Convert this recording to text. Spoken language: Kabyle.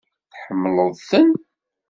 Tḥemmleḍ-ten?